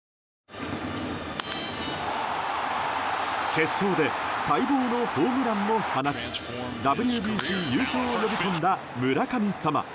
決勝で待望のホームランも放ちＷＢＣ優勝を呼び込んだ村神様